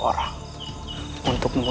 aku akan menangkapmu